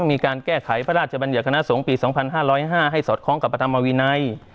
มีการแก้ไขพระราชบัญญัติคณะสงฆ์ปี๒๕๐๕ให้สอดคล้องกับพระธรรมวินัย